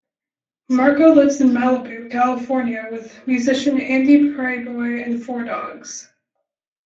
Markoe lives in Malibu, California with musician Andy Prieboy and four dogs.